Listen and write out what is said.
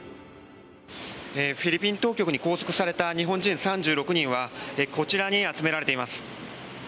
フィリピン当局に拘束された日本人３６人はこちらに集められています。